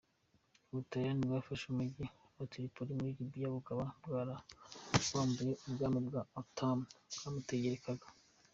Ubutaliyani bwafashe umujyi wa Tripoli muri Libya bukaba bwarawambuye ubwami bwa Ottoman bwawutegekaga.